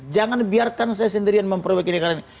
jangan biarkan saya sendirian memperbaiki negara ini